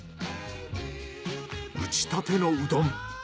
打ちたてのうどん。